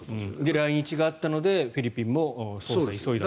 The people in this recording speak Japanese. で、来日があったのでフィリピンも捜査を急いだと。